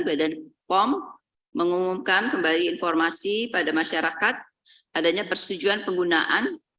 badan pom mengumumkan kembali informasi pada masyarakat adanya persetujuan penggunaan